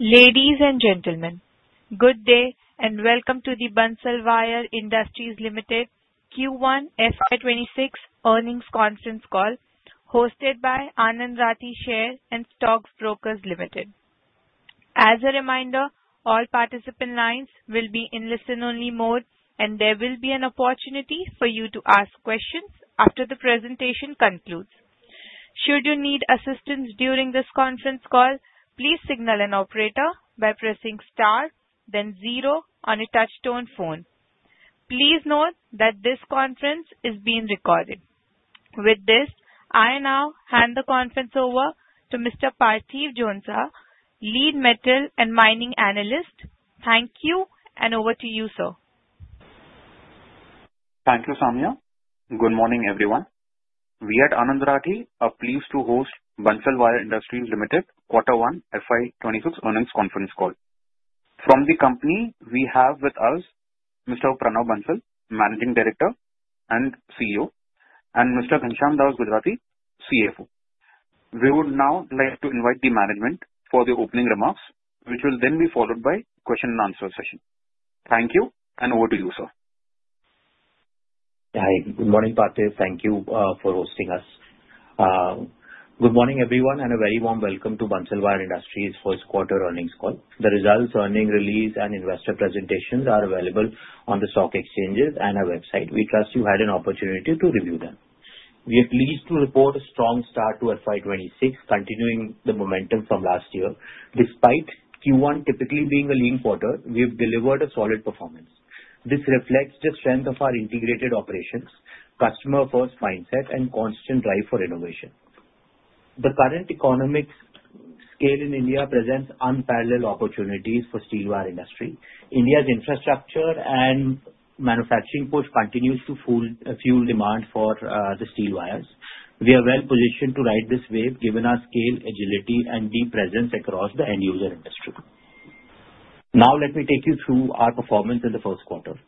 Ladies and gentlemen, good day and welcome to the Bansal Wire Industries Limited Q1 FY26 Earnings Conference Call hosted by Anand Rathi Share and Stock Brokers Limited. As a reminder, all participant lines will be in listen-only mode, and there will be an opportunity for you to ask questions after the presentation concludes. Should you need assistance during this conference call, please signal an operator by pressing star, then zero on a touch-tone phone. Please note that this conference is being recorded. With this, I now hand the conference over to Mr. Parthiv Jhonsa, Lead Metal and Mining Analyst. Thank you, and over to you, sir. Thank you, Samir. Good morning, everyone. We at Anand Rathi are pleased to host Bansal Wire Industries Limited Q1 FY26 earnings conference call. From the company, we have with us Mr. Pranav Bansal, Managing Director and CEO, and Mr. Ghanshyam Dass Gujarati, CFO. We would now like to invite the management for the opening remarks, which will then be followed by a question-and-answer session. Thank you, and over to you, sir. Hi. Good morning, Parthiv. Thank you for hosting us. Good morning, everyone, and a very warm welcome to Bansal Wire Industries' Q1 earnings call. The results, earnings release, and investor presentations are available on the stock exchanges and our website. We trust you had an opportunity to review them. We are pleased to report a strong start to FY26, continuing the momentum from last year. Despite Q1 typically being a lean quarter, we have delivered a solid performance. This reflects the strength of our integrated operations, customer-first mindset, and constant drive for innovation. The current economic scenario in India presents unparalleled opportunities for the steel wire industry. India's infrastructure and manufacturing push continues to fuel demand for the steel wires. We are well positioned to ride this wave, given our scale, agility, and deep presence across the end-user industry. Now, let me take you through our performance in the Q1.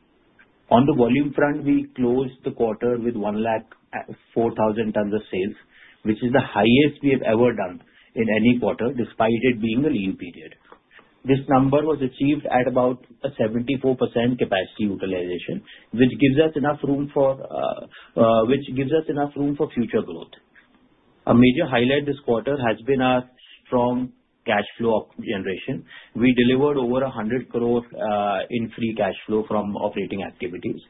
On the volume front, we closed the quarter with 104,000 tons of sales, which is the highest we have ever done in any quarter, despite it being a lean period. This number was achieved at about a 74% capacity utilization, which gives us enough room for future growth. A major highlight this quarter has been our strong cash flow generation. We delivered over 100 crore in free cash flow from operating activities,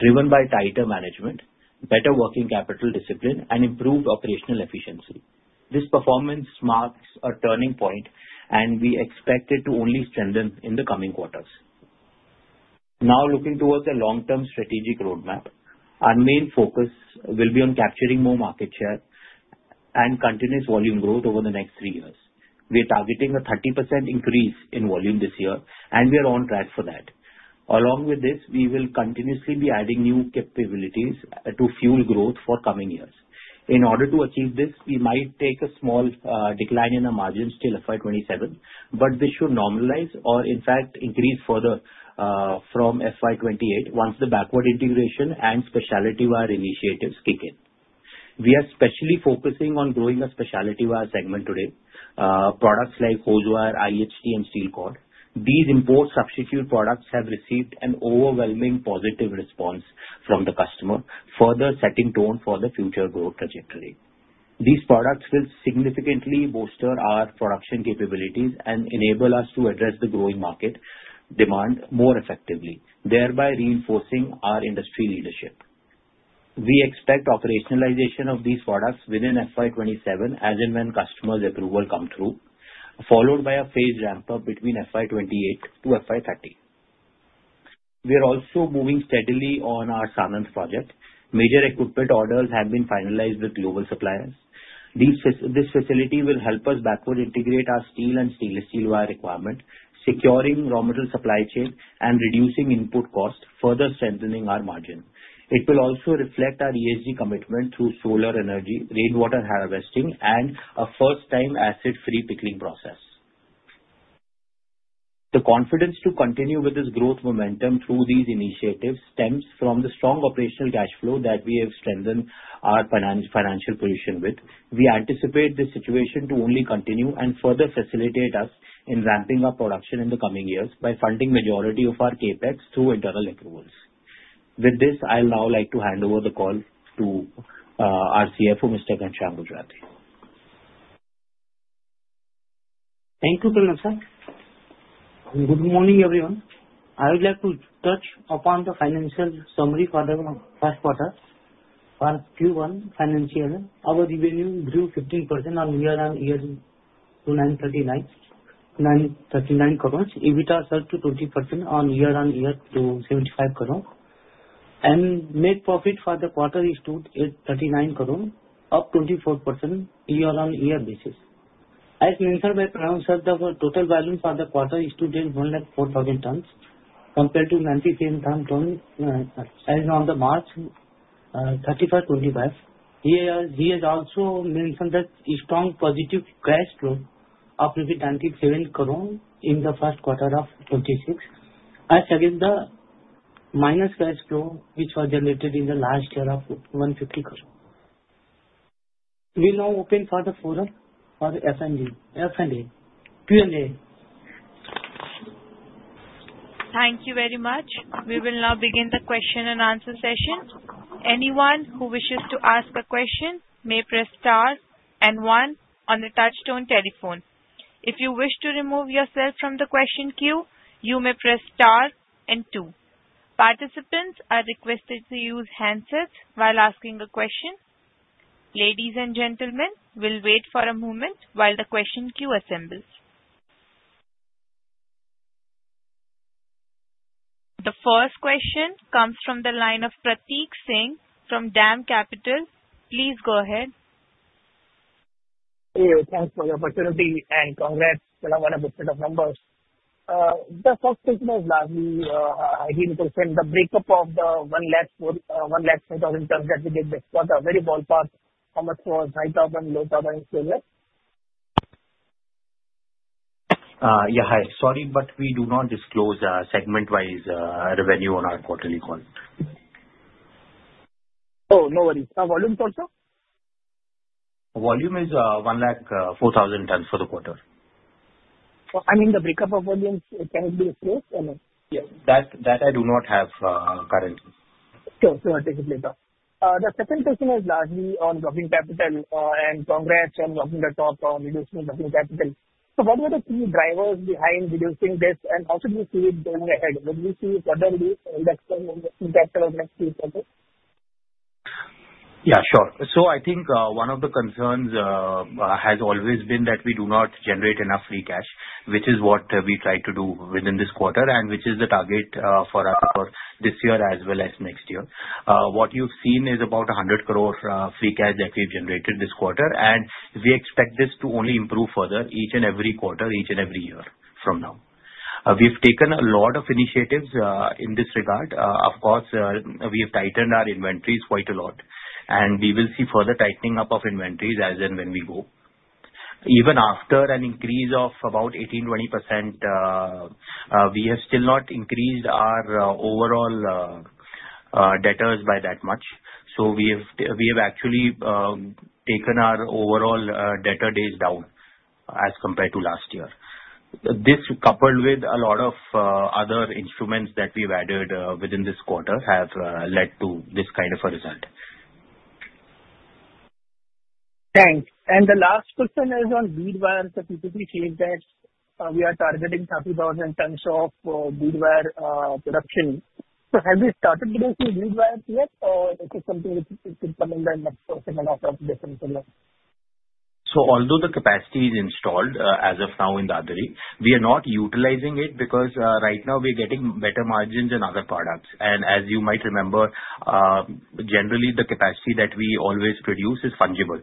driven by tighter management, better working capital discipline, and improved operational efficiency. This performance marks a turning point, and we expect it to only strengthen in the coming quarters. Now, looking towards a long-term strategic roadmap, our main focus will be on capturing more market share and continuous volume growth over the next three years. We are targeting a 30% increase in volume this year, and we are on track for that. Along with this, we will continuously be adding new capabilities to fuel growth for coming years. In order to achieve this, we might take a small decline in our margins till FY27, but this should normalize or, in fact, increase further from FY28 once the backward integration and specialty wire initiatives kick in. We are especially focusing on growing our specialty wire segment today, products like hose wire, IHT, and steel cord. These import substitute products have received an overwhelming positive response from the customer, further setting tone for the future growth trajectory. These products will significantly bolster our production capabilities and enable us to address the growing market demand more effectively, thereby reinforcing our industry leadership. We expect operationalization of these products within FY27, as in when customers' approval comes through, followed by a phased ramp-up between FY28 to FY30. We are also moving steadily on our Sanand project. Major equipment orders have been finalized with global suppliers. This facility will help us backward integrate our steel and stainless steel wire requirement, securing raw material supply chain and reducing input cost, further strengthening our margin. It will also reflect our ESG commitment through solar energy, rainwater harvesting, and a first-time acid-free pickling process. The confidence to continue with this growth momentum through these initiatives stems from the strong operational cash flow that we have strengthened our financial position with. We anticipate this situation to only continue and further facilitate us in ramping up production in the coming years by funding the majority of our CapEx through internal accruals. With this, I'd now like to hand over the call to our CFO, Mr. Ghanshyam Gujarati. Thank you, Pranav sir. Good morning, everyone. I would like to touch upon the financial summary for the Q1 for Q1 financial. Our revenue grew 15% year-on-year to INR 939 crores. EBITDA surged 20% year-on-year to 75 crores, and net profit for the quarter stood at 39 crores, up 24% year-on-year basis. As mentioned by Pranav sir, the total volume for the quarter stood at 104,000 tons, compared to 97,000 tons as of March 31, 2025. He has also mentioned that a strong positive cash flow of 97 crores in the Q1 of 2026, as against the minus cash flow which was generated in the last year of INR 150 crores. We now open the floor for Q&A. Thank you very much. We will now begin the question-and-answer session. Anyone who wishes to ask a question may press star and one on the touch-tone telephone. If you wish to remove yourself from the question queue, you may press star and two. Participants are requested to use handsets while asking a question. Ladies and gentlemen, we'll wait for a moment while the question queue assembles. The first question comes from the line of Pratik Singh from DAM Capital. Please go ahead. Thank you for the opportunity and congrats. You have a good set of numbers. The first question is largely 18%. The breakup of the 104,000 tons that we did this quarter, very ballpark, how much was high carbon, low carbon, stainless? Yeah, hi. Sorry, but we do not disclose segment-wise revenue on our quarterly call. Oh, no worries. Volume also? Volume is 104,000 tons for the quarter. I mean, the breakup of volumes, can it be expressed or no? Yes. That I do not have currently. Sure. Sure. Take it later. The second question is largely on working capital, and congrats on working the top on reducing working capital. So what were the key drivers behind reducing this, and how did you see it going ahead? What do you see the reduction in capital over the next few quarters? Yeah, sure. So I think one of the concerns has always been that we do not generate enough free cash, which is what we try to do within this quarter, and which is the target for us for this year as well as next year. What you've seen is about 100 crore free cash that we've generated this quarter, and we expect this to only improve further each and every quarter, each and every year from now. We have taken a lot of initiatives in this regard. Of course, we have tightened our inventories quite a lot, and we will see further tightening up of inventories as and when we go. Even after an increase of about 18-20%, we have still not increased our overall debtors by that much. So we have actually taken our overall debtor days down as compared to last year. This, coupled with a lot of other instruments that we've added within this quarter, have led to this kind of a result. Thanks. And the last question is on LRPC wires. If you could brief us that we are targeting 30,000 tons of LRPC wire production. So have we started producing LRPC wires yet, or is it something which is coming by next quarter and after this? So although the capacity is installed as of now in Dadri, we are not utilizing it because right now we are getting better margins than other products. And as you might remember, generally, the capacity that we always produce is fungible.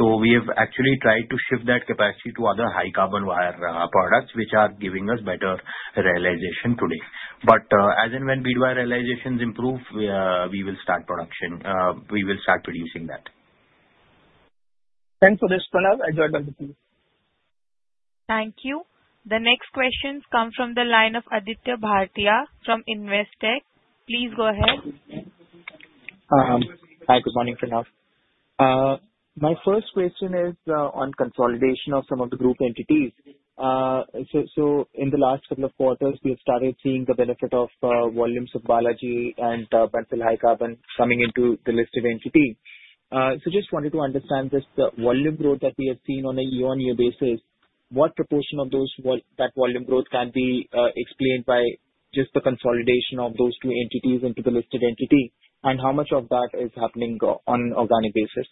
So we have actually tried to shift that capacity to other high-carbon wire products, which are giving us better realization today. But as and when LRPC wire realizations improve, we will start production. We will start producing that. Thanks for this, Pranav. I'll join the team. Thank you. The next questions come from the line of Aditya Bhartia from Investec. Please go ahead. Hi. Good morning, Pranav. My first question is on consolidation of some of the group entities. So in the last couple of quarters, we have started seeing the benefit of volumes of Balaji and Bansal High Carbon coming into the listed entity. So just wanted to understand this volume growth that we have seen on a year-on-year basis, what proportion of that volume growth can be explained by just the consolidation of those two entities into the listed entity, and how much of that is happening on an organic basis?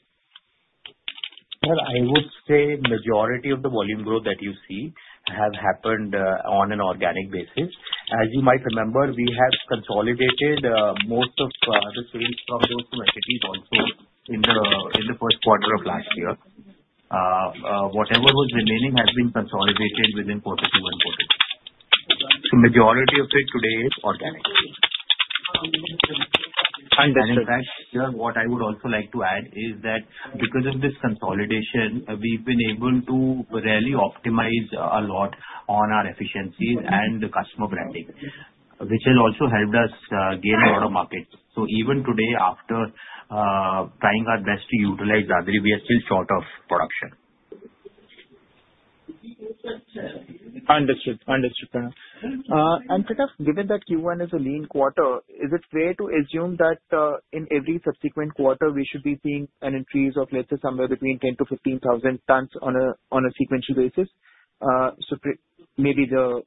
I would say the majority of the volume growth that you see has happened on an organic basis. As you might remember, we have consolidated most of the strength from those two entities also in the Q1 of last year. Whatever was remaining has been consolidated within Q2 and Q3. The majority of it today is organic. And in fact, what I would also like to add is that because of this consolidation, we've been able to really optimize a lot on our efficiencies and the customer branding, which has also helped us gain a lot of market. Even today, after trying our best to utilize Dadri, we are still short of production. Understood. Understood, Pranav. And Pranav, given that Q1 is a lean quarter, is it fair to assume that in every subsequent quarter, we should be seeing an increase of, let's say, somewhere between 10,000-15,000 tons on a sequential basis? So maybe the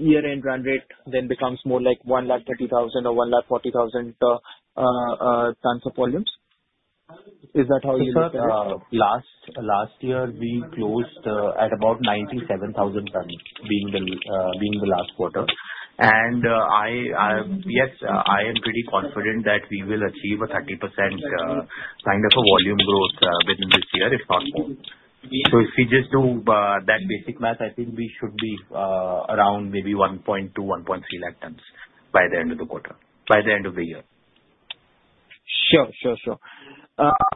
year-end run rate then becomes more like 130,000 or 140,000 tons of volumes? Is that how you interpret it? Last year, we closed at about 97,000 tons, being the last quarter, and yes, I am pretty confident that we will achieve a 30% kind of a volume growth within this year, if not more. So if we just do that basic math, I think we should be around maybe 1.2-1.3 lakh tons by the end of the quarter, by the end of the year. Sure.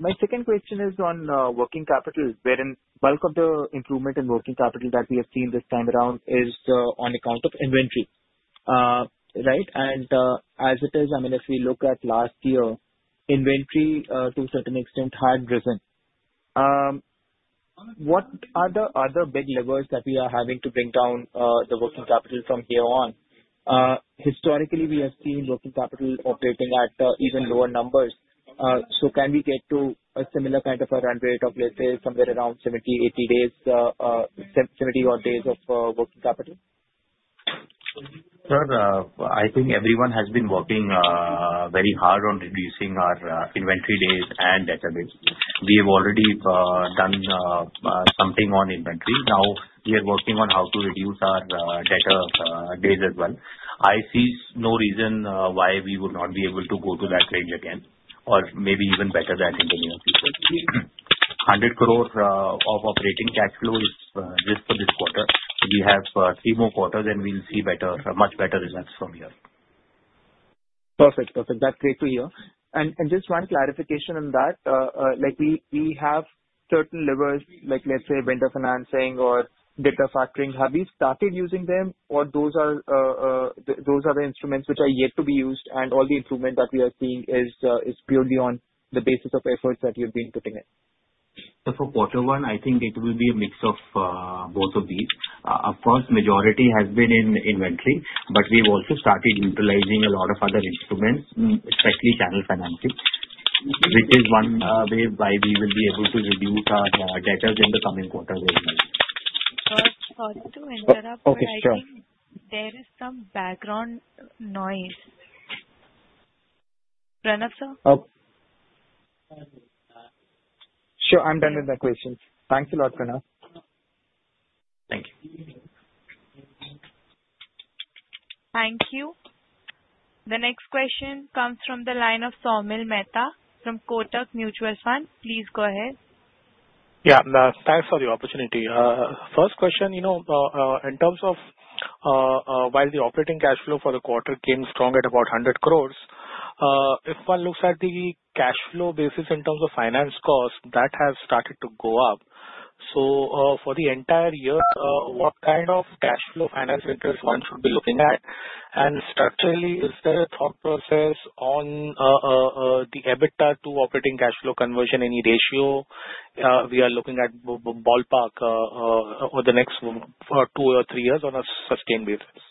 My second question is on working capital, wherein bulk of the improvement in working capital that we have seen this time around is on account of inventory, right? And as it is, I mean, if we look at last year, inventory, to a certain extent, had risen. What are the other big levers that we are having to bring down the working capital from here on? Historically, we have seen working capital operating at even lower numbers. So can we get to a similar kind of a run rate of, let's say, somewhere around 70-80 days, 70-odd days of working capital? I think everyone has been working very hard on reducing our inventory days and debtor days. We have already done something on inventory. Now, we are working on how to reduce our debtor days as well. I see no reason why we would not be able to go to that range again, or maybe even better than in the near future. 100 crore of operating cash flow is just for this quarter. We have three more quarters, and we'll see much better results from here. Perfect. Perfect. That's great to hear. And just one clarification on that. We have certain levers, like let's say vendor financing or debt factoring. Have you started using them? Or those are the instruments which are yet to be used, and all the improvement that we are seeing is purely on the basis of efforts that you've been putting in? For Q1, I think it will be a mix of both of these. Of course, the majority has been in inventory, but we have also started utilizing a lot of other instruments, especially channel financing, which is one way by which we will be able to reduce our debtors in the coming quarter very much. Sorry to interrupt, but I think there is some background noise. Pranav sir? Sure. I'm done with my questions. Thanks a lot, Pranav. Thank you. Thank you. The next question comes from the line of Somil Mehta from Kotak Mutual Fund. Please go ahead. Yeah. Thanks for the opportunity. First question, in terms of while the operating cash flow for the quarter came strong at about 100 crores, if one looks at the cash flow basis in terms of finance cost, that has started to go up. So for the entire year, what kind of cash flow finance interest one should be looking at? And structurally, is there a thought process on the EBITDA to operating cash flow conversion any ratio we are looking at ballpark over the next two or three years on a sustained basis?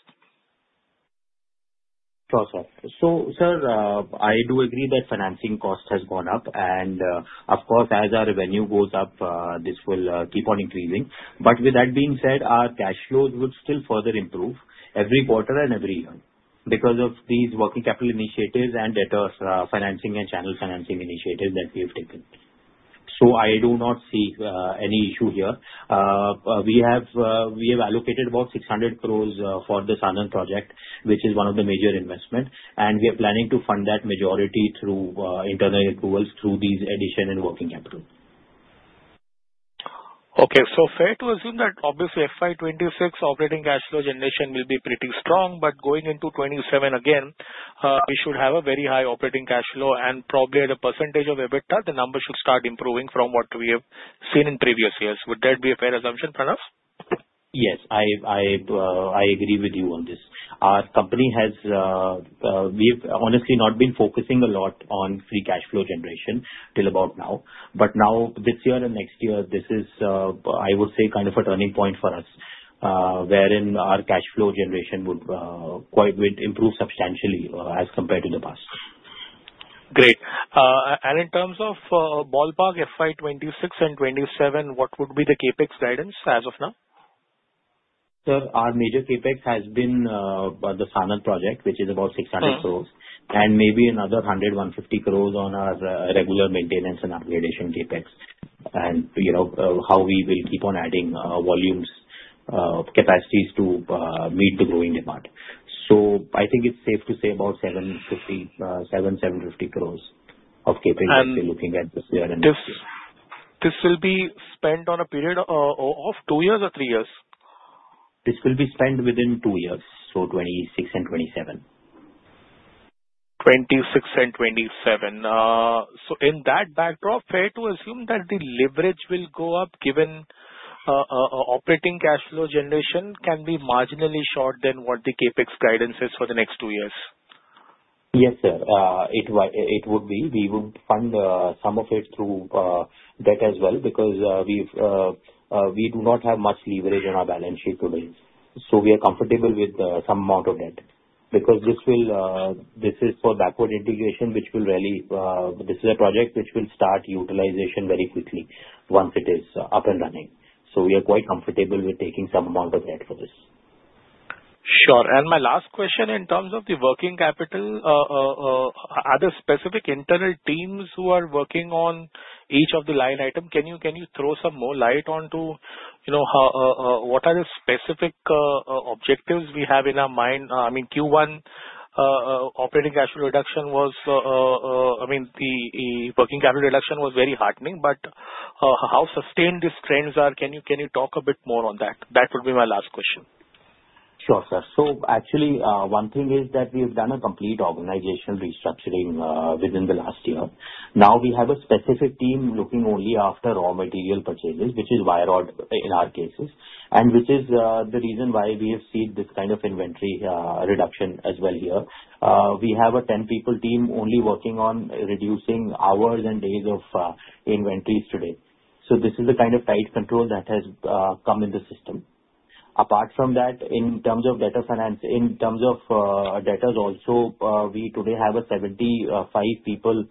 Sure, sir. So sir, I do agree that financing cost has gone up. And of course, as our revenue goes up, this will keep on increasing. But with that being said, our cash flows would still further improve every quarter and every year because of these working capital initiatives and debtors financing and channel financing initiatives that we have taken. So I do not see any issue here. We have allocated about 600 crores for the Sanand project, which is one of the major investments. And we are planning to fund that majority through internal accruals through these additions and working capital. Okay. So fair to assume that obviously FY26 operating cash flow generation will be pretty strong, but going into 27 again, we should have a very high operating cash flow, and probably at a percentage of EBITDA, the number should start improving from what we have seen in previous years. Would that be a fair assumption, Pranav? Yes. I agree with you on this. Our company has honestly not been focusing a lot on free cash flow generation till about now. But now, this year and next year, this is, I would say, kind of a turning point for us, wherein our cash flow generation would improve substantially as compared to the past. Great. And in terms of ballpark FY 2026 and 2027, what would be the CapEx guidance as of now? Sir, our major CapEx has been the Sanand project, which is about 600 crores, and maybe another 100-150 crores on our regular maintenance and upgradation CapEx, and how we will keep on adding volumes, capacities to meet the growing demand. So I think it's safe to say about 700-750 crores of CapEx we're looking at this year and next year. This will be spent on a period of two years or three years? This will be spent within two years, so 2026 and 2027. 26 and 27. So in that backdrop, fair to assume that the leverage will go up given operating cash flow generation can be marginally short than what the CapEx guidance is for the next two years? Yes, sir. It would be. We would fund some of it through debt as well because we do not have much leverage in our balance sheet today. So we are comfortable with some amount of debt because this is for backward integration, which will really. This is a project which will start utilization very quickly once it is up and running. So we are quite comfortable with taking some amount of debt for this. Sure. And my last question in terms of the working capital, are there specific internal teams who are working on each of the line items? Can you throw some more light onto what are the specific objectives we have in our mind? I mean, Q1 operating cash flow reduction was, I mean, the working capital reduction was very heartening, but how sustained these trends are? Can you talk a bit more on that? That would be my last question. Sure, sir. So actually, one thing is that we have done a complete organizational restructuring within the last year. Now, we have a specific team looking only after raw material purchases, which is wire rod in our cases, and which is the reason why we have seen this kind of inventory reduction as well here. We have a 10-people team only working on reducing hours and days of inventories today. So this is the kind of tight control that has come in the system. Apart from that, in terms of debtors also, we today have a 75-people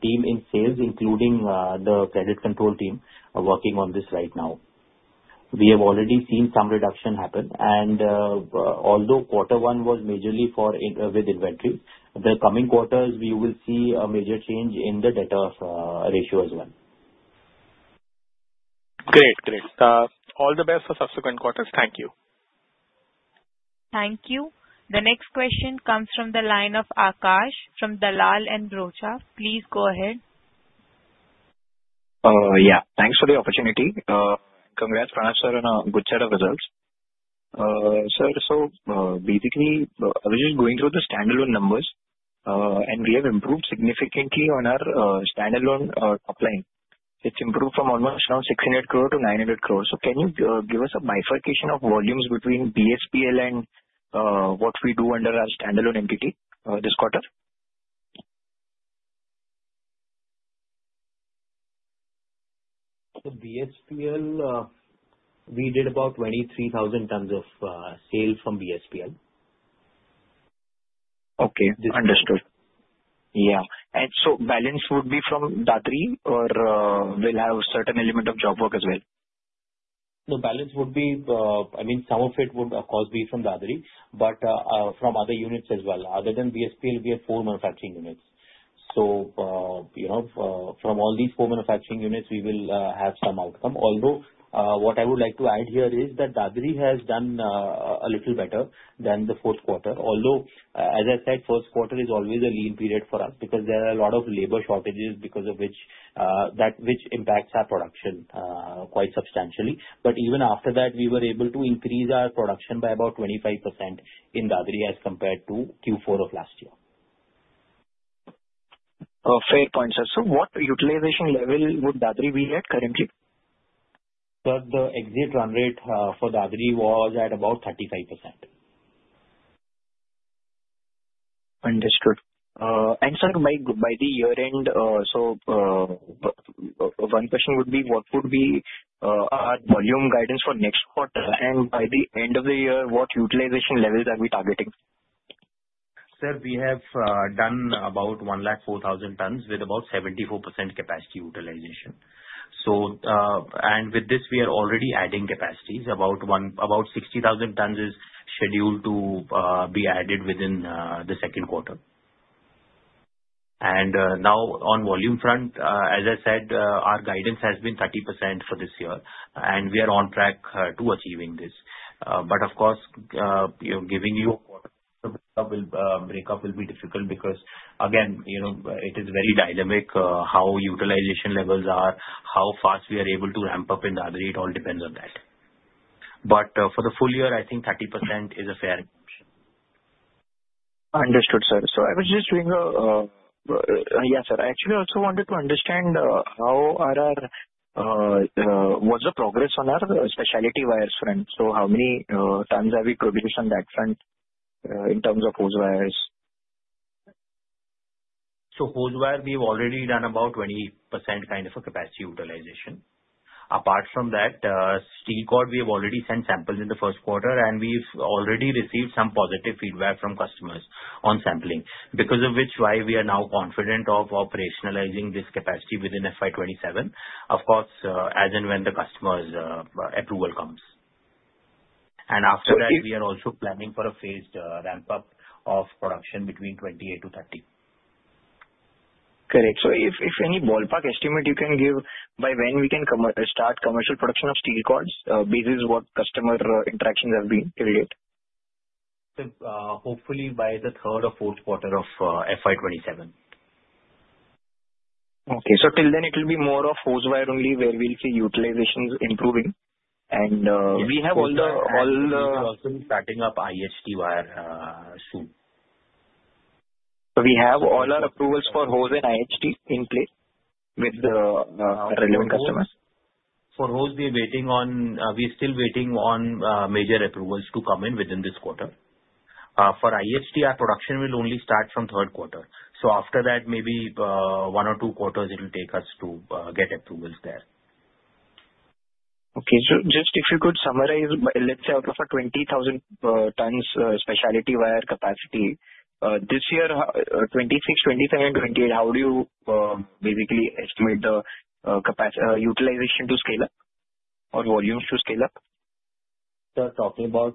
team in sales, including the credit control team, working on this right now. We have already seen some reduction happen. And although quarter one was majorly with inventory, the coming quarters, we will see a major change in the debtors ratio as well. Great. Great. All the best for subsequent quarters. Thank you. Thank you. The next question comes from the line of Akash from Dalal & Broacha. Please go ahead. Yeah. Thanks for the opportunity. Congrats, Pranav sir, on a good set of results. Sir, so basically, I was just going through the standalone numbers, and we have improved significantly on our standalone top line. It's improved from almost now 600 crore to 900 crore. So can you give us a bifurcation of volumes between BSPL and what we do under our standalone entity this quarter? BSPL, we did about 23,000 tons of sale from BSPL. Okay. Understood. Yeah, and so balance would be from Dadri or will have a certain element of job work as well? The balance would be, I mean, some of it would, of course, be from Dadri, but from other units as well. Other than BSPL, we have four manufacturing units. So from all these four manufacturing units, we will have some outcome. Although what I would like to add here is that Dadri has done a little better than the Q4. Although, as I said, Q1 is always a lean period for us because there are a lot of labor shortages because of which that impacts our production quite substantially. But even after that, we were able to increase our production by about 25% in Dadri as compared to Q4 of last year. Fair point, sir. So what utilization level would Dadri be at currently? Sir, the exit run rate for Dadri was at about 35%. Understood. And sir, by the year-end, so one question would be, what would be our volume guidance for next quarter? And by the end of the year, what utilization levels are we targeting? Sir, we have done about 104,000 tons with about 74% capacity utilization. And with this, we are already adding capacities. About 60,000 tons is scheduled to be added within the Q2. And now, on volume front, as I said, our guidance has been 30% for this year, and we are on track to achieving this. But of course, giving you a quarter breakup will be difficult because, again, it is very dynamic how utilization levels are, how fast we are able to ramp up in Dadri. It all depends on that. But for the full year, I think 30% is a fair assumption. Understood, sir. So, yeah, sir. I actually also wanted to understand how was the progress on our specialty wires front? So how many tons have we produced on that front in terms of hose wires? So hose wire, we have already done about 20% kind of a capacity utilization. Apart from that, steel cord, we have already sent samples in the Q1, and we've already received some positive feedback from customers on sampling, because of which we are now confident of operationalizing this capacity within FY27, of course, as and when the customer's approval comes. And after that, we are also planning for a phased ramp-up of production between 28 to 30. Great. So if any ballpark estimate you can give by when we can start commercial production of steel cords, basis what customer interactions have been till date? Hopefully by the third or Q4 of FY27. Okay. So till then, it will be more of hose wire only, where we'll see utilizations improving. And we have all the. We are also starting up IHT Wire soon. So we have all our approvals for hose and IHT in place with the relevant customers? For hose, we are still waiting on major approvals to come in within this quarter. For IHT, our production will only start from Q3. So after that, maybe one or two quarters, it will take us to get approvals there. Okay. So just if you could summarize, let's say out of a 20,000 tons specialty wire capacity, this year, 2026, 2027, and 2028, how do you basically estimate the utilization to scale up or volumes to scale up? Sir, talking about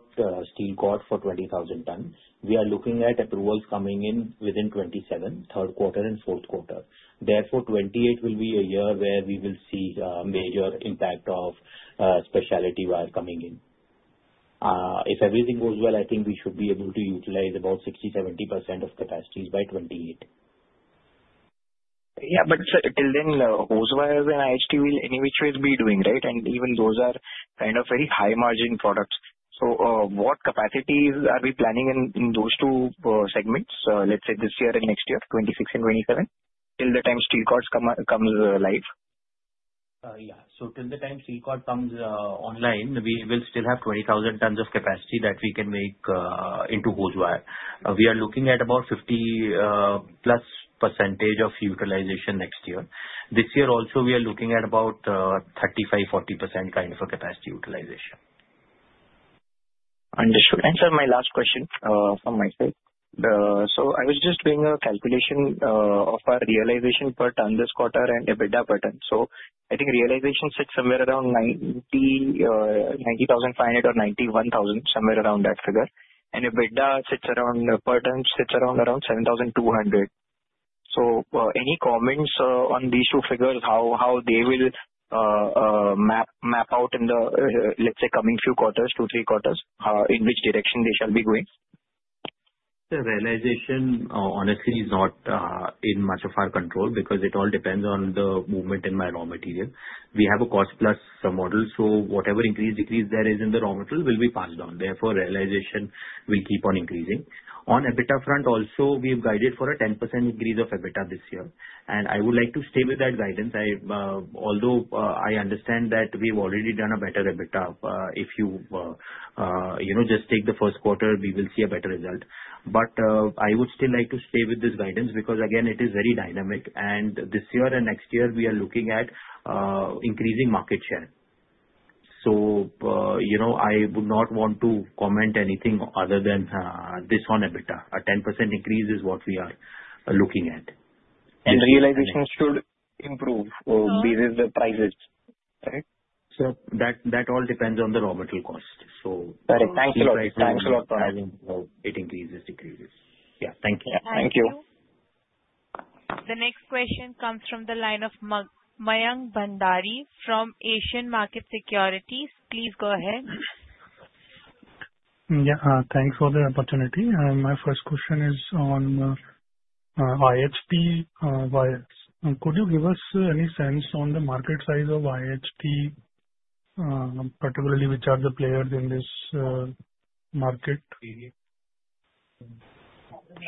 steel cord for 20,000 tons, we are looking at approvals coming in within 2027, Q3 and Q4. Therefore, 2028 will be a year where we will see a major impact of specialty wire coming in. If everything goes well, I think we should be able to utilize about 60%-70% of capacities by 2028. Yeah. But sir, till then, hose wires and IHT will anyway be doing, right? And even those are kind of very high-margin products. So what capacities are we planning in those two segments, let's say this year and next year, 2026 and 2027, till the time steel cords come live? Yeah. So till the time steel cord comes online, we will still have 20,000 tons of capacity that we can make into hose wire. We are looking at about 50-plus% utilization next year. This year also, we are looking at about 35-40% kind of a capacity utilization. Understood. And sir, my last question from my side. So I was just doing a calculation of our realization per ton this quarter and EBITDA per ton. So I think realization sits somewhere around 90,500 or 91,000, somewhere around that figure. And EBITDA sits around per ton, sits around 7,200. So any comments on these two figures, how they will map out in the, let's say, coming few quarters, two, three quarters, in which direction they shall be going? Sir, realization, honestly, is not in much of our control because it all depends on the movement in my raw material. We have a cost-plus model. So whatever increase, decrease there is in the raw material will be passed down. Therefore, realization will keep on increasing. On EBITDA front also, we have guided for a 10% increase of EBITDA this year. And I would like to stay with that guidance. Although I understand that we've already done a better EBITDA, if you just take the Q1, we will see a better result. But I would still like to stay with this guidance because, again, it is very dynamic. And this year and next year, we are looking at increasing market share. So I would not want to comment anything other than this on EBITDA. A 10% increase is what we are looking at. Realization should improve with the prices, right? Sir, that all depends on the raw material cost. So. Correct. Thanks a lot. Thanks a lot, Pranav. It increases, decreases. Yeah. Thank you. Thank you. The next question comes from the line of Mayank Bhandari from Asian Market Securities. Please go ahead. Yeah. Thanks for the opportunity. My first question is on IHT wires. Could you give us any sense on the market size of IHT, particularly which are the players in this market?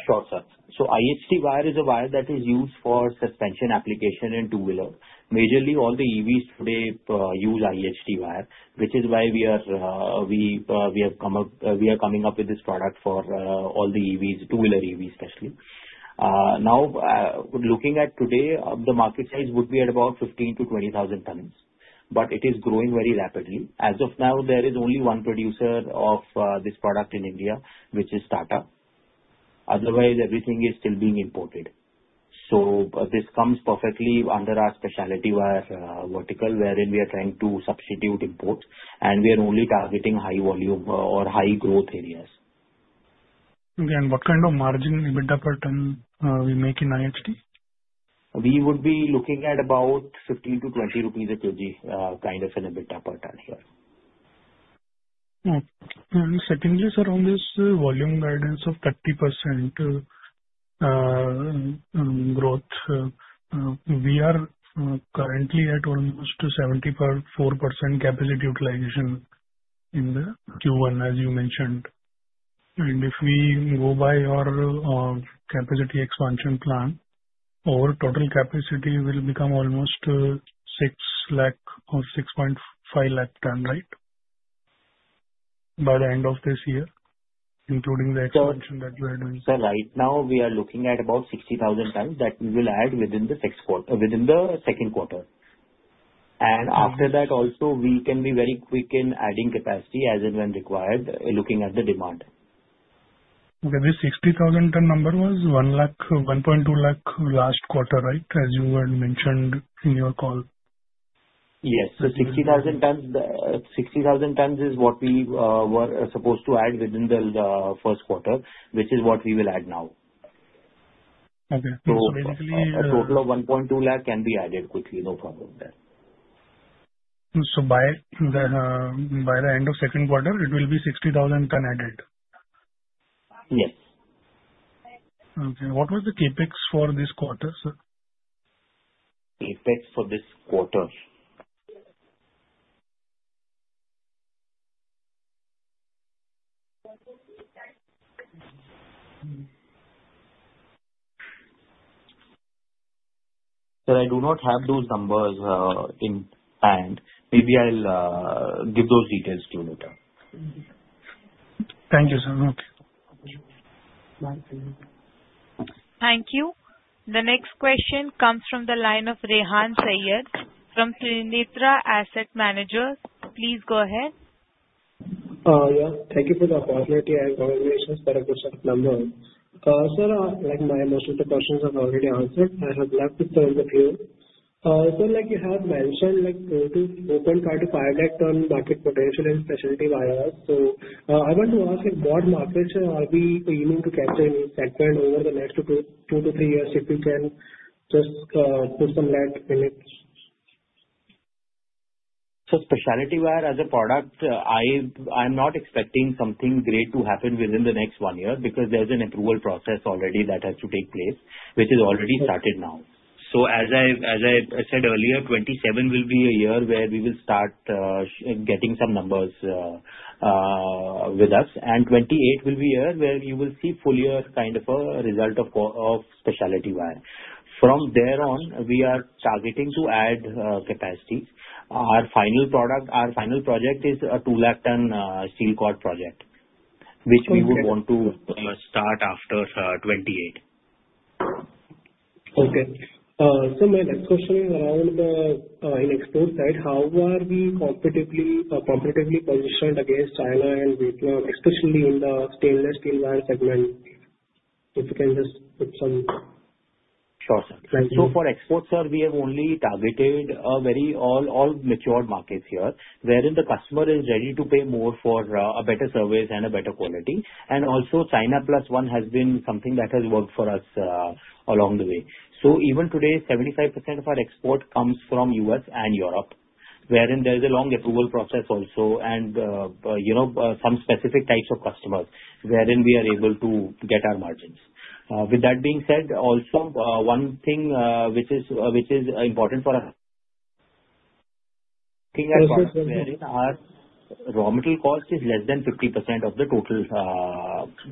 Sure, sir. So IHT wire is a wire that is used for suspension application in two-wheeler. Majorly, all the EVs today use IHT wire, which is why we are coming up with this product for all the EVs, two-wheeler EVs especially. Now, looking at today, the market size would be at about 15-20,000 tons. But it is growing very rapidly. As of now, there is only one producer of this product in India, which is Tata. Otherwise, everything is still being imported. So this comes perfectly under our specialty wire vertical, wherein we are trying to substitute imports, and we are only targeting high volume or high growth areas. Okay, and what kind of margin EBITDA per ton we make in IHT? We would be looking at about 15-20 rupees a kg kind of an EBITDA per ton here. Okay. And secondly, sir, on this volume guidance of 30% growth, we are currently at almost 74% capacity utilization in the Q1, as you mentioned. And if we go by our capacity expansion plan, our total capacity will become almost 6 lakh or 6.5 lakh ton, right, by the end of this year, including the expansion that we are doing? Sir, right now, we are looking at about 60,000 tons that we will add within the Q2, and after that, also, we can be very quick in adding capacity as and when required, looking at the demand. Okay. This 60,000-ton number was 1.2 lakh last quarter, right, as you had mentioned in your call? Yes. So 60,000 tons is what we were supposed to add within the Q1, which is what we will add now. Okay, so basically. A total of 1.2 lakh can be added quickly. No problem there. So by the end of Q2, it will be 60,000 ton added? Yes. Okay. What was the Capex for this quarter, sir? CapEx for this quarter? Sir, I do not have those numbers in hand. Maybe I'll give those details to you later. Thank you, sir. Okay. Thank you. The next question comes from the line of Rehan Saiyyed from Trinetra Asset Managers. Please go ahead. Yeah. Thank you for the opportunity. I have got a good set of numbers. Sir, most of my questions have already been answered. I have just one left. Sir, like you have mentioned, open 5 lakh ton market potential in specialty wires. So I want to ask, what markets are we aiming to capture in this segment over the next two to three years, if you can just shed some light on it? So specialty wire as a product, I'm not expecting something great to happen within the next one year because there's an approval process already that has to take place, which has already started now. So as I said earlier, 2027 will be a year where we will start getting some numbers with us. And 2028 will be a year where you will see full year kind of a result of specialty wire. From there on, we are targeting to add capacity. Our final project is a 2 lakh ton steel cord project, which we would want to start after 2028. Okay, so my next question is around the export side. How are we competitively positioned against China and Vietnam, especially in the stainless steel wire segment? If you can just put some. Sure, sir. So for export, sir, we have only targeted very well matured markets here, wherein the customer is ready to pay more for a better service and a better quality. Also, China Plus One has been something that has worked for us along the way. So even today, 75% of our export comes from U.S. and Europe, wherein there is a long approval process also and some specific types of customers, wherein we are able to get our margins. With that being said, also, one thing which is important for us is that our raw material cost is less than 50% of the total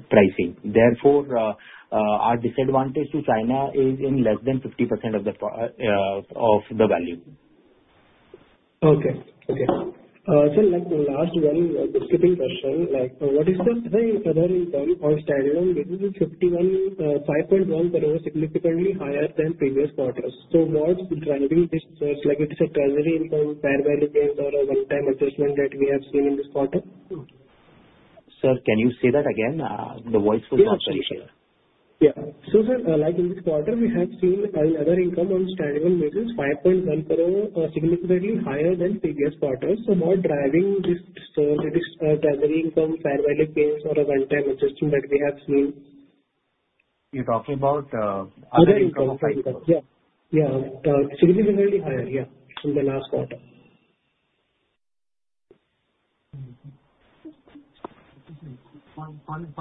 pricing. Therefore, our disadvantage to China is in less than 50% of the value. Sir, last one skipping question. What is the other impact on standalone? This is 51, 5.1 per hour, significantly higher than previous quarters. So what's driving this? It's treasury income, fair value gains, or a one-time adjustment that we have seen in this quarter? Sir, can you say that again? The voice was not very clear. Yeah. So sir, in this quarter, we have seen other income on standalone basis, 5.1 crore, significantly higher than previous quarters. So what's driving this treasury income? Fair value gains or a one-time adjustment that we have seen? You're talking about other income? Other income. Yeah. Yeah. Significantly higher, yeah, in the last quarter. I'm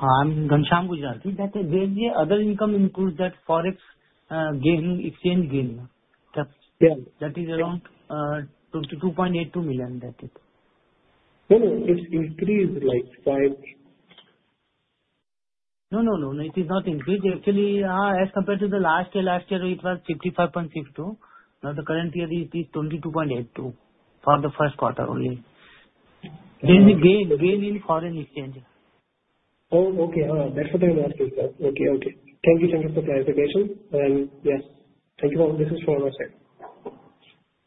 Ghanshyam Gujarati. There's the other income improved, that Forex exchange gain. That is around 22.82 million. That's it. No, no. It's increased like five. No, no, no. It is not increased. Actually, as compared to the last year, last year, it was 55.62. Now, the current year is 22.82 for the Q1 only. There's a gain in foreign exchange. Oh, okay. That's what I was asking. Okay. Okay. Thank you. Thank you for the clarification. And yes, thank you. This is from our side.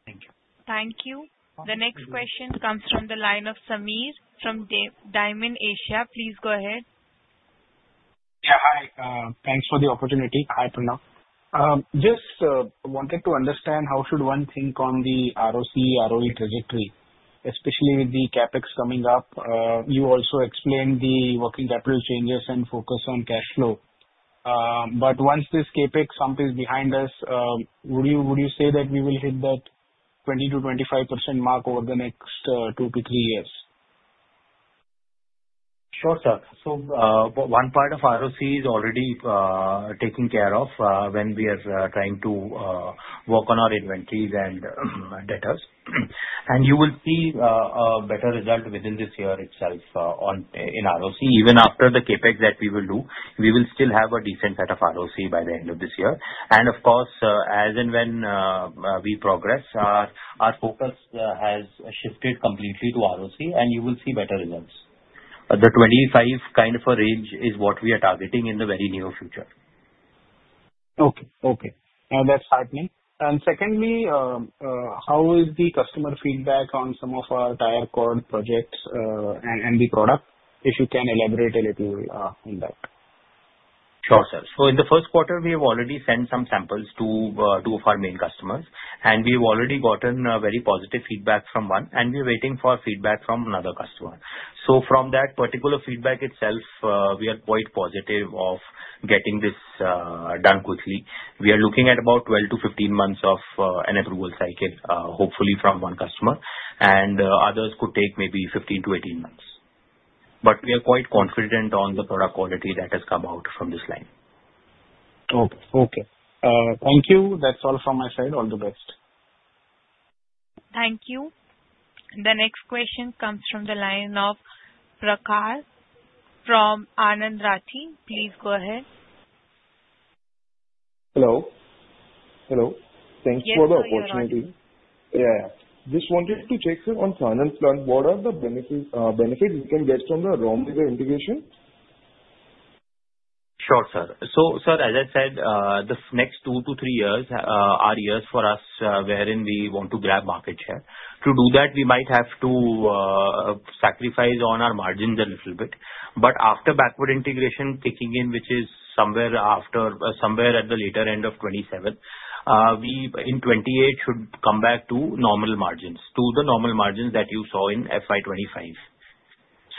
Thank you. Thank you. The next question comes from the line of Samir from Diamond Asia. Please go ahead. Yeah. Hi. Thanks for the opportunity. Hi, Pranav. Just wanted to understand how should one think on the ROCE, ROE trajectory, especially with the CapEx coming up. You also explained the working capital changes and focus on cash flow. But once this CapEx hump is behind us, would you say that we will hit that 20%-25% mark over the next two to three years? Sure, sir. So one part of ROCE is already taken care of when we are trying to work on our inventories and details. And you will see a better result within this year itself in ROCE. Even after the CapEx that we will do, we will still have a decent set of ROCE by the end of this year. And of course, as and when we progress, our focus has shifted completely to ROCE, and you will see better results. The 25 kind of a range is what we are targeting in the very near future. Okay. Okay. And that's heartening. And secondly, how is the customer feedback on some of our tire cord projects and the product, if you can elaborate a little on that? Sure, sir. So in the Q1, we have already sent some samples to two of our main customers. And we have already gotten very positive feedback from one, and we are waiting for feedback from another customer. So from that particular feedback itself, we are quite positive of getting this done quickly. We are looking at about 12-15 months of an approval cycle, hopefully from one customer. And others could take maybe 15-18 months. But we are quite confident on the product quality that has come out from this line. Okay. Thank you. That's all from my side. All the best. Thank you. The next question comes from the line of Prakash from Anand Rathi. Please go ahead. Hello. Hello. Thank you for the opportunity. Yeah. Just wanted to check on financial plan. What are the benefits we can get from the raw material integration? Sure, sir. So sir, as I said, the next two to three years are years for us wherein we want to grab market share. To do that, we might have to sacrifice on our margins a little bit. But after backward integration kicking in, which is somewhere at the later end of 2027, we in 2028 should come back to normal margins, to the normal margins that you saw in FY25.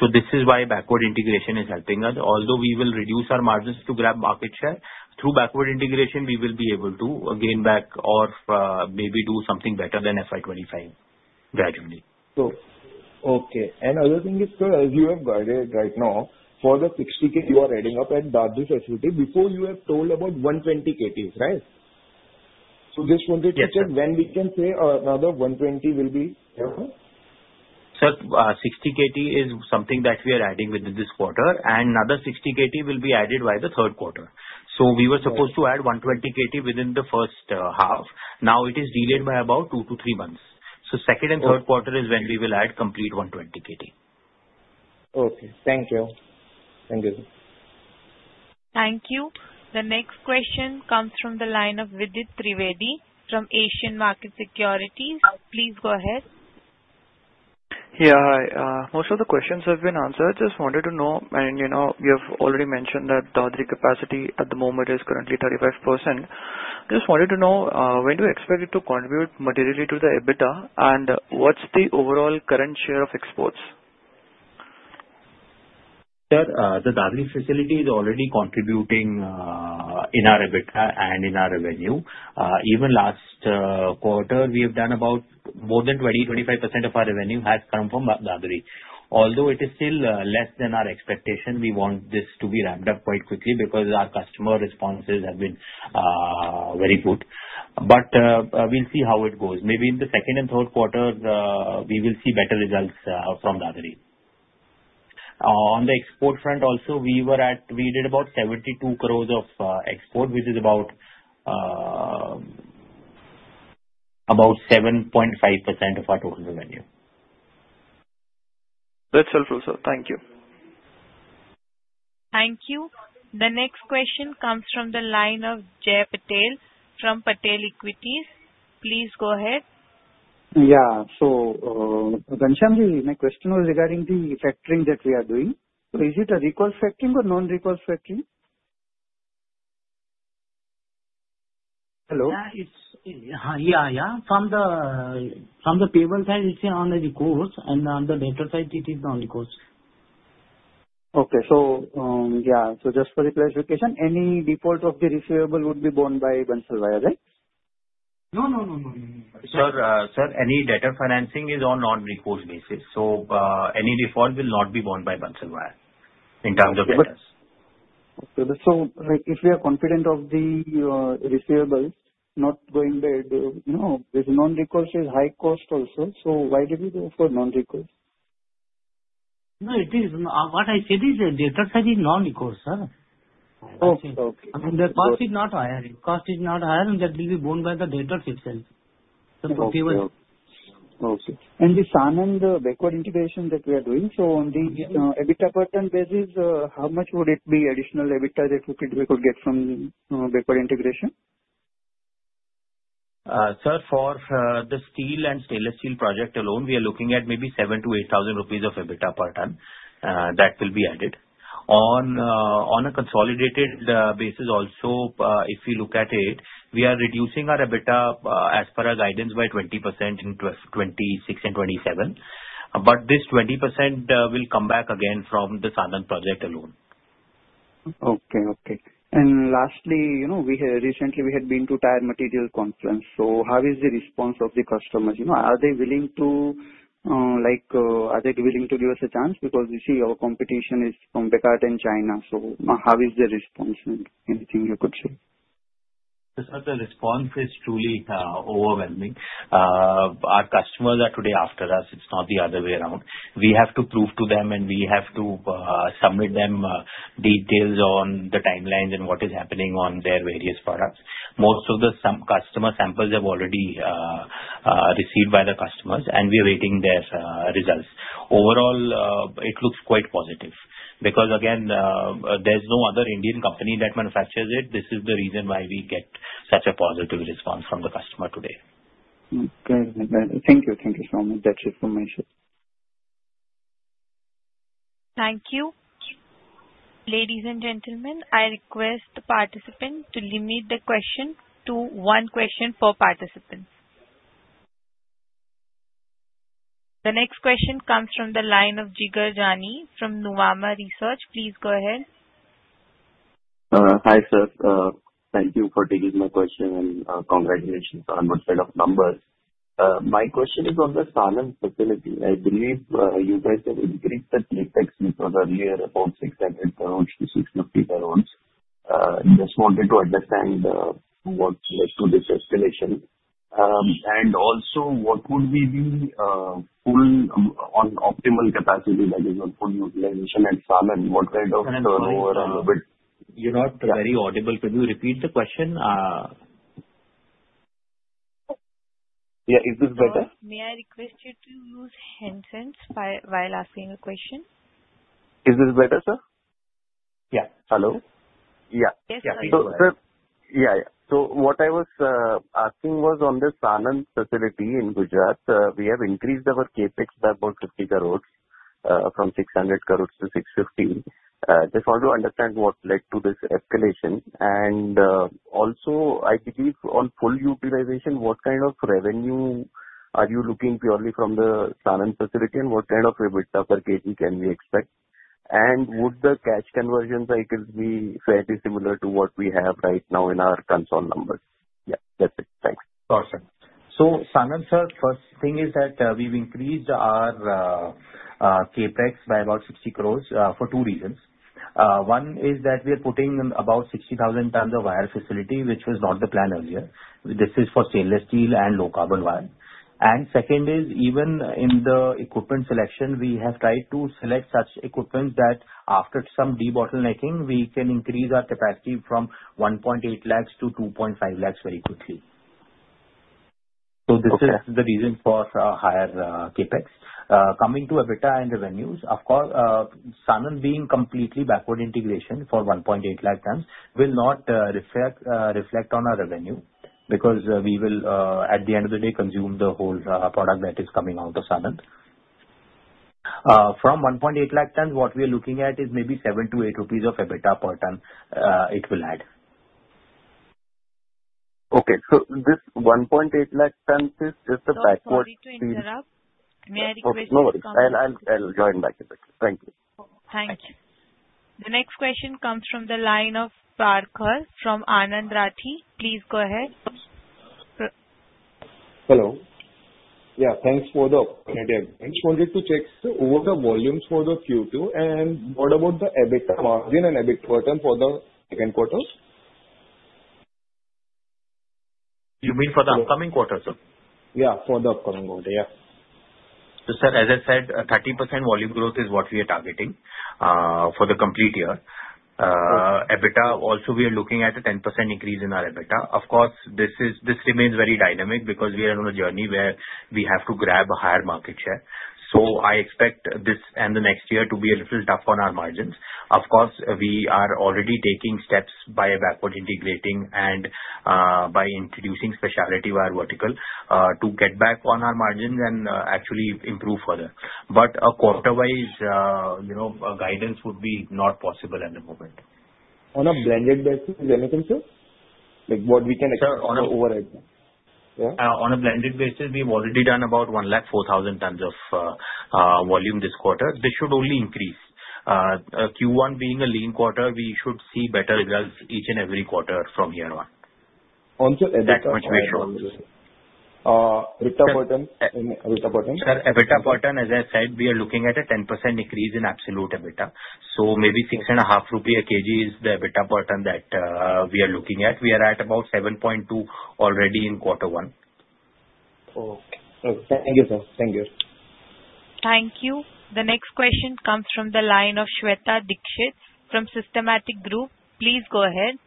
So this is why backward integration is helping us. Although we will reduce our margins to grab market share, through backward integration, we will be able to gain back or maybe do something better than FY25 gradually. Okay. And other thing is, sir, as you have guided right now, for the 60K you are adding up at Dadri facility, before, you have told about 120KTs, right? Just wanted to check when we can say another 120 will be? Sir, 60 KT is something that we are adding within this quarter. And another 60 KT will be added by the Q3. So we were supposed to add 120 KT within the first half. Now, it is delayed by about two-to-three months. So second and Q3 is when we will add complete 120 KT. Okay. Thank you. Thank you. Thank you. The next question comes from the line of Vidit Trivedi from Asian Market Securities. Please go ahead. Yeah. Hi. Most of the questions have been answered. Just wanted to know, and you have already mentioned that Dadri capacity at the moment is currently 35%. Just wanted to know, when do you expect it to contribute materially to the EBITDA? And what's the overall current share of exports? Sir, the Dadri facility is already contributing in our EBITDA and in our revenue. Even last quarter, we have done about more than 20%-25% of our revenue has come from Dadri. Although it is still less than our expectation, we want this to be ramped up quite quickly because our customer responses have been very good. But we'll see how it goes. Maybe in the second and Q3, we will see better results from Dadri. On the export front also, we did about 72 crores of export, which is about 7.5% of our total revenue. That's helpful, sir. Thank you. Thank you. The next question comes from the line of Jay Patel from Patel Equities. Please go ahead. Yeah. So Ghanshyam ji, my question was regarding the factoring that we are doing. So is it a recourse factoring or non-recourse factoring? Hello? Yeah. Yeah. From the payables side, it's on the recourse. And on the debtor side, it is non-recourse. Okay. So yeah. So just for the clarification, any default of the receivable would be borne by Bansal Wire, right? No, no, no, no, no, no. Sir, any debtor financing is on non-recourse basis. So any default will not be borne by Bansal Wire in terms of interest. Okay. So if we are confident of the receivables not going bad, there's non-recourse, which is high cost also. So why did we go for non-recourse? No, it is. What I said is debtor side is non-recourse, sir. Oh, okay. The cost is not higher. Cost is not higher, and that will be borne by the debtor itself. Okay. This Sanand and the backward integration that we are doing, so on the EBITDA per ton basis, how much would it be additional EBITDA that we could get from backward integration? Sir, for the steel and stainless steel project alone, we are looking at maybe 7,000-8,000 rupees of EBITDA per ton that will be added. On a consolidated basis also, if you look at it, we are reducing our EBITDA as per our guidance by 20% in 2026 and 2027. But this 20% will come back again from the Sanand project alone. Okay. Okay. And lastly, recently, we had been to Tire Material Conference. So how is the response of the customers? Are they willing to give us a chance? Because you see, our competition is from Bekaert and China. So how is the response? Anything you could say? Sir, the response is truly overwhelming. Our customers are today after us. It's not the other way around. We have to prove to them, and we have to submit them details on the timelines and what is happening on their various products. Most of the customer samples have already received by the customers, and we are waiting their results. Overall, it looks quite positive because, again, there's no other Indian company that manufactures it. This is the reason why we get such a positive response from the customer today. Okay. Thank you. Thank you so much. That's it from my side. Thank you. Ladies and gentlemen, I request the participants to limit the question to one question per participant. The next question comes from the line of Jigar Jani from Nuvama Institutional Equities. Please go ahead. Hi, sir. Thank you for taking my question, and congratulations on what kind of numbers. My question is on the Sanand facility. I believe you guys have increased the CapEx because earlier about 600 crore to 650 crore. Just wanted to understand what led to this escalation. And also, what would be the full and optimal capacity that is on full utilization at Sanand, what kind of EBITDA? You're not very audible. Can you repeat the question? Yeah. Is this better? May I request you to use handset while asking a question? Is this better, sir? Yeah. Hello? Yeah. Yes, sir. Yeah. Yeah. So what I was asking was on the Sanand facility in Gujarat, we have increased our CapEx by about 50 crores from 600 crores to 650. Just want to understand what led to this escalation. And also, I believe on full utilization, what kind of revenue are you looking purely from the Sanand facility, and what kind of EBITDA per kg can we expect? And would the cash conversion cycles be fairly similar to what we have right now in our consolidated numbers? Yeah. That's it. Thanks. Awesome. Sanand, first thing is that we've increased our CapEx by about 60 crore for two reasons. One is that we are putting about 60,000 tons of wire facility, which was not the plan earlier. This is for stainless steel and low carbon wire. Second is, even in the equipment selection, we have tried to select such equipment that after some de-bottlenecking, we can increase our capacity from 1.8 lakhs to 2.5 lakhs very quickly. This is the reason for higher CapEx. Coming to EBITDA and revenues, of course, Sanand being completely backward integration for 1.8 lakh tons will not reflect on our revenue because we will, at the end of the day, consume the whole product that is coming out of Sanand. From 1.8 lakh tons, what we are looking at is maybe 7-8 rupees of EBITDA per ton it will add. Okay, so this 1.8 lakh tons is just the backward. Sorry to interrupt. May I request? No worries. I'll join back in a bit. Thank you. Thank you. The next question comes from the line of Prakash from Anand Rathi. Please go ahead. Hello. Yeah. Thanks for the opportunity. I just wanted to check over the volumes for the Q2, and what about the EBITDA margin and EBITDA per ton for the Q2? You mean for the upcoming quarter, sir? Yeah. For the upcoming quarter, yeah. So, sir, as I said, 30% volume growth is what we are targeting for the complete year. EBITDA also, we are looking at a 10% increase in our EBITDA. Of course, this remains very dynamic because we are on a journey where we have to grab a higher market share. So I expect this and the next year to be a little tough on our margins. Of course, we are already taking steps by backward integrating and by introducing specialty wire vertical to get back on our margins and actually improve further. But a quarter-wise guidance would be not possible at the moment. On a blended basis, anything, sir? What we can expect overhead? On a blended basis, we have already done about 104,000 tons of volume this quarter. This should only increase. Q1 being a lean quarter, we should see better results each and every quarter from here on. Onto EBITDA per ton. That much we're sure. EBITDA per ton? Sir, EBITDA per ton, as I said, we are looking at a 10% increase in absolute EBITDA. So maybe 6.5 rupee a kg is the EBITDA per ton that we are looking at. We are at about 7.2 already in Q1. Okay. Thank you, sir. Thank you. Thank you. The next question comes from the line of Shweta Dixit from Systematix Group. Please go ahead.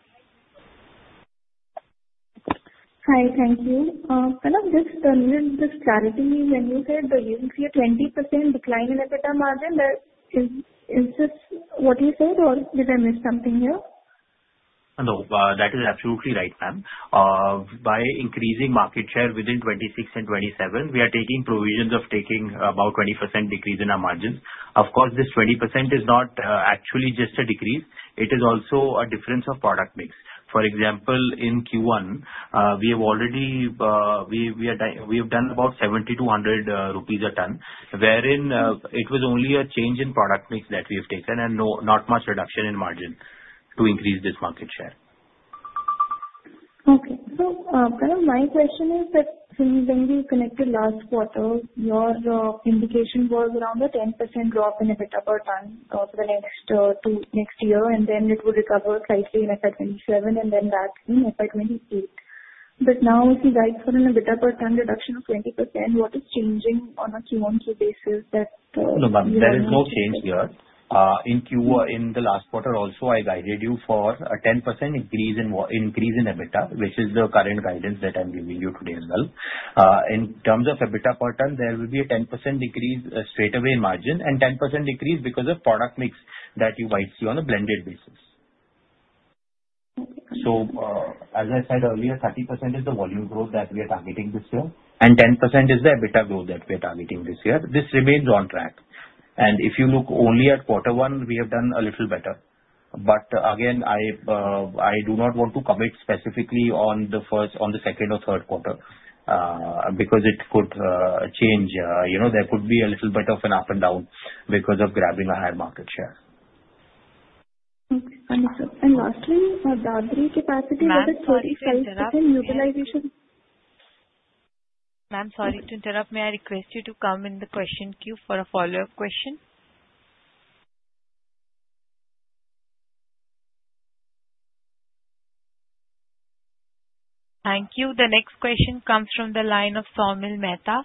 Hi. Thank you. Kind of just to reinforce clarity, when you said that you see a 20% decline in EBITDA margin, is this what you said, or did I miss something here? No, that is absolutely right, ma'am. By increasing market share within 26 and 27, we are taking provisions of taking about 20% decrease in our margins. Of course, this 20% is not actually just a decrease. It is also a difference of product mix. For example, in Q1, we have already done about 70-100 rupees a ton, wherein it was only a change in product mix that we have taken and not much reduction in margin to increase this market share. Okay, so kind of my question is that when we connected last quarter, your indication was around a 10% drop in EBITDA per ton for the next year, and then it would recover slightly in FY27 and then back in FY28. But now, if you guide for an EBITDA per ton reduction of 20%, what is changing on a Q1, Q2 basis that you see? No, ma'am. There is no change here. In the last quarter also, I guided you for a 10% increase in EBITDA, which is the current guidance that I'm giving you today as well. In terms of EBITDA per ton, there will be a 10% decrease straightaway in margin and 10% decrease because of product mix that you might see on a blended basis. Okay. As I said earlier, 30% is the volume growth that we are targeting this year, and 10% is the EBITDA growth that we are targeting this year. This remains on track. If you look only at Q1, we have done a little better. Again, I do not want to commit specifically on the second or Q3 because it could change. There could be a little bit of an up and down because of grabbing a higher market share. Okay. Understood. And lastly, Dadri capacity was at 35% utilization. Ma'am, sorry to interrupt. May I request you to come in the question queue for a follow-up question? Thank you. The next question comes from the line of Somil Mehta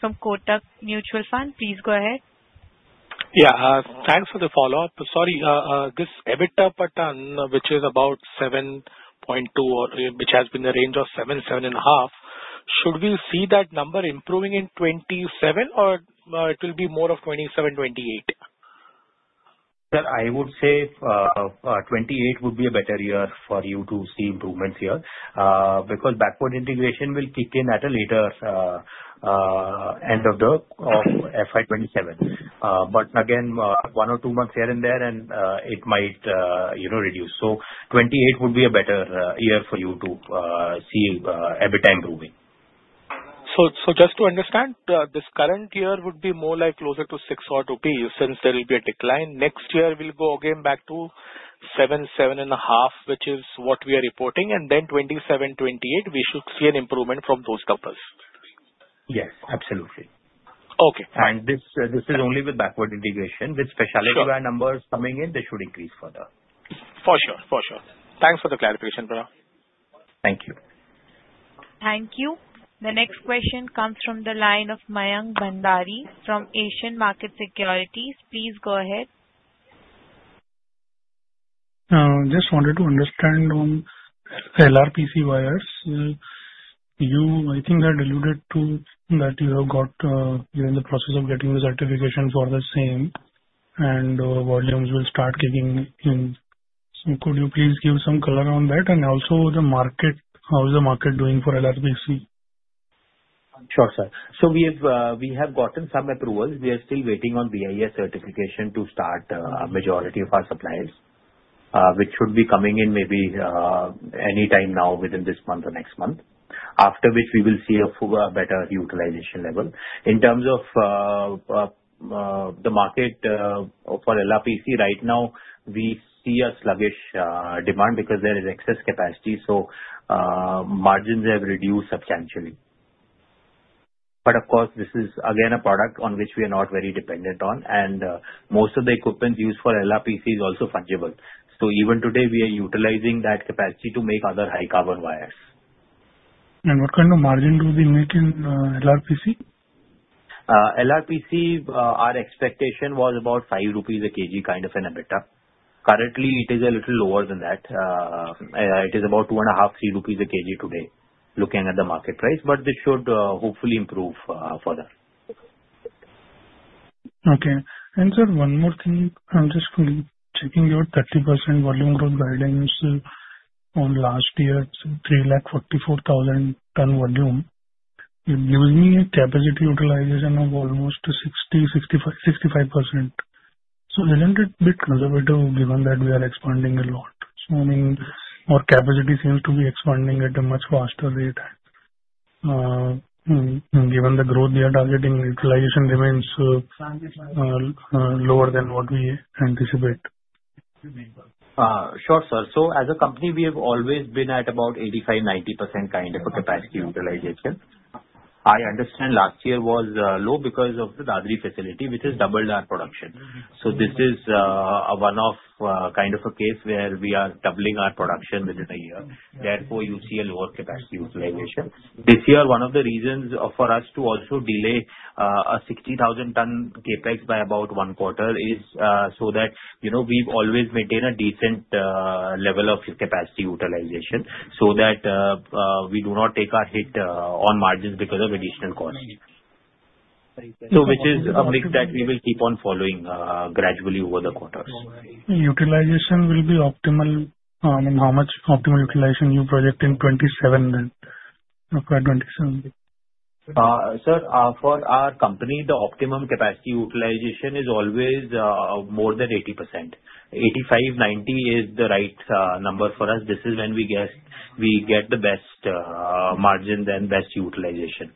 from Kotak Mutual Fund. Please go ahead. Yeah. Thanks for the follow-up. Sorry. This EBITDA per ton, which is about 7.2, which has been the range of seven, seven and a half, should we see that number improving in 2027, or it will be more of 2027, 2028? Sir, I would say 28 would be a better year for you to see improvements here because backward integration will kick in at a later end of the FY27, but again, one or two months here and there, and it might reduce, so 28 would be a better year for you to see EBITDA improving. So just to understand, this current year would be more like closer to 600 rupees since there will be a decline. Next year, we'll go again back to 7-7.5, which is what we are reporting. And then 2027, 2028, we should see an improvement from those couples. Yes. Absolutely. Okay. This is only with backward integration. With specialty wire numbers coming in, they should increase further. For sure. For sure. Thanks for the clarification, brother. Thank you. Thank you. The next question comes from the line of Mayank Bhandari from Asian Market Securities. Please go ahead. Just wanted to understand on LRPC wires. I think I alluded to that you're in the process of getting the certification for the same, and volumes will start kicking in. So could you please give some color on that? And also, how is the market doing for LRPC? Sure, sir. So we have gotten some approvals. We are still waiting on BIS certification to start a majority of our suppliers, which should be coming in maybe anytime now within this month or next month, after which we will see a better utilization level. In terms of the market for LRPC right now, we see a sluggish demand because there is excess capacity. So margins have reduced substantially. But of course, this is, again, a product on which we are not very dependent on. And most of the equipment used for LRPC is also fungible. So even today, we are utilizing that capacity to make other high carbon wires. What kind of margin do they make in LRPC? LRPC, our expectation was about 5 rupees a kg kind of an EBITDA. Currently, it is a little lower than that. It is about 2.5-3 rupees a kg today, looking at the market price, but this should hopefully improve further. Okay. And, sir, one more thing. I'm just checking your 30% volume growth guidance on last year, 344,000 ton volume. It gives me a capacity utilization of almost 60%-65%. So isn't it a bit conservative given that we are expanding a lot? So I mean, our capacity seems to be expanding at a much faster rate given the growth we are targeting. Utilization remains lower than what we anticipate. Sure, sir. So as a company, we have always been at about 85%-90% kind of a capacity utilization. I understand last year was low because of the Dadri facility, which has doubled our production. So this is one of kind of a case where we are doubling our production within a year. Therefore, you see a lower capacity utilization. This year, one of the reasons for us to also delay a 60,000-ton CapEx by about one quarter is so that we've always maintained a decent level of capacity utilization so that we do not take our hit on margins because of additional costs. So which is a mix that we will keep on following gradually over the quarters. Utilization will be optimal? I mean, how much optimal utilization you project in 27 then for 27? Sir, for our company, the optimum capacity utilization is always more than 80%. 85%-90% is the right number for us. This is when we get the best margin and best utilization.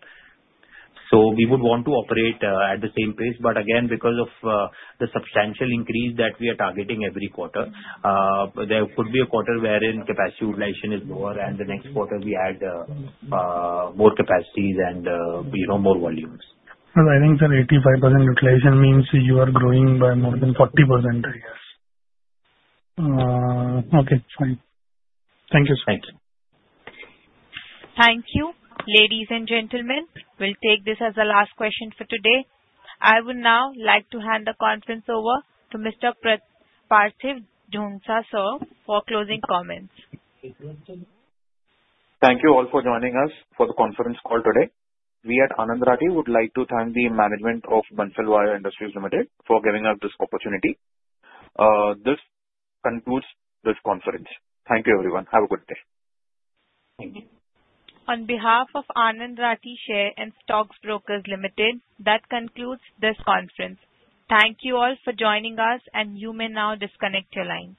So we would want to operate at the same pace. But again, because of the substantial increase that we are targeting every quarter, there could be a quarter wherein capacity utilization is lower, and the next quarter, we add more capacities and more volumes. But I think, sir, 85% utilization means you are growing by more than 40%, I guess. Okay. Fine. Thank you, sir. Thank you. Thank you. Ladies and gentlemen, we'll take this as the last question for today. I would now like to hand the conference over to Mr. Parthiv Jhonsa, sir, for closing comments. Thank you all for joining us for the conference call today. We at Anand Rathi would like to thank the management of Bansal Wire Industries Limited for giving us this opportunity. This concludes this conference. Thank you, everyone. Have a good day. Thank you. On behalf of Anand Rathi Share and Stock Brokers Limited, that concludes this conference. Thank you all for joining us, and you may now disconnect your lines.